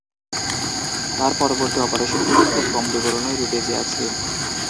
তার পরবর্তী অপারেশনগুলির খুব কম বিবরণই বেঁচে আছে।